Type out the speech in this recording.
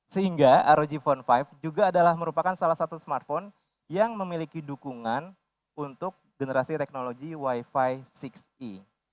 sehingga rog phone lima juga adalah merupakan salah satu smartphone yang memiliki dukungan untuk generasi teknologi wifi enam e